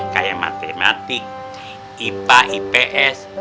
kayak matematik ipa ips